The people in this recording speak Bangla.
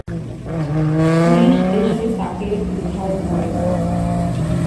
পুলিশ এসে তাকে উদ্ধার করে।